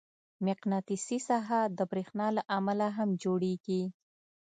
مقناطیسي ساحه د برېښنا له امله هم جوړېږي.